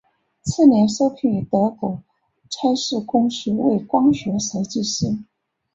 次年受聘于德国蔡司公司为光学设计师。